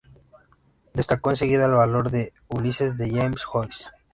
Destacó enseguida el valor de "Ulises" de James Joyce.